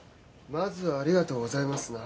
まずは「ありがとうございます」な。